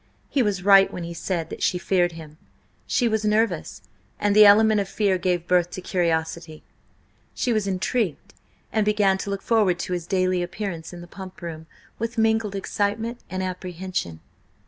He was right when he said that she feared him; she was nervous, and the element of fear gave birth to curiosity. She was intrigued, and began to look forward to his daily appearance in the Pump Room with mingled excitement and apprehension.